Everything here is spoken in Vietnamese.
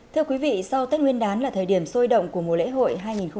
thưa quý vị sau tết nguyên đán là thời điểm sôi động của mùa lễ hội hai nghìn hai mươi bốn